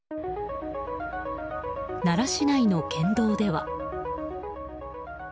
奈良市内の県道では。